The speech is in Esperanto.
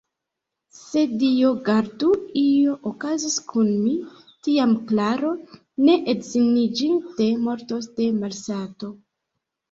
Se, Dio gardu, io okazos kun ni, tiam Klaro, ne edziniĝinte, mortos de malsato!